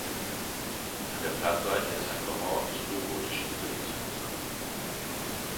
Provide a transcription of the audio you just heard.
An der Platzseite ist ein vermauertes frühgotisches Zwillingsfenster.